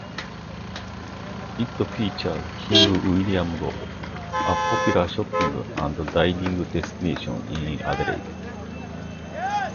It features King William Road, a popular shopping and dining destination in Adelaide.